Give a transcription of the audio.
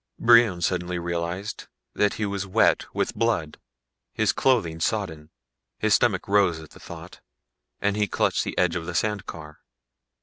Brion suddenly realized that he was wet with blood, his clothing sodden. His stomach rose at the thought and he clutched the edge of the sand car.